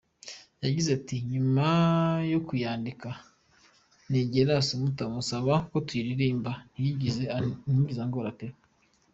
Yagize ati: "Nyuma yo kuyandika negera Assumpta musaba ko tuyiririmbana, ntiyigeze angora peeeee!!!!!.